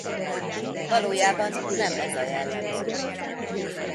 Valójában nem ez a jellemző.